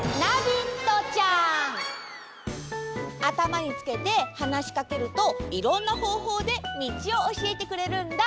あたまにつけてはなしかけるといろんなほうほうでみちをおしえてくれるんだ。